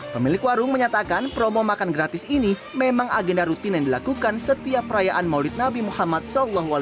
pemilik warung menyatakan promo makan gratis ini memang agenda rutin yang dilakukan setiap perayaan maulid nabi muhammad saw